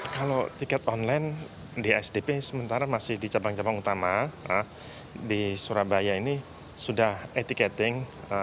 kalau tiket online di asdp sementara masih di cabang cabang utama di surabaya ini sudah e ticket